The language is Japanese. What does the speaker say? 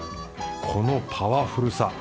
このパワフルさ。